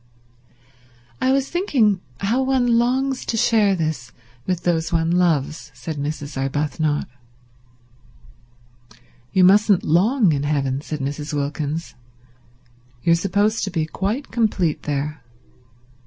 "I was thinking how one longs to share this with those one loves," said Mrs. Arbuthnot. "You mustn't long in heaven," said Mrs. Wilkins. "You're supposed to be quite complete there.